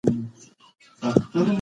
اداره د عامه خدمت کیفیت ته پام کوي.